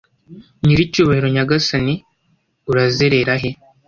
Nyiricyubahiro nyagasani urazerera he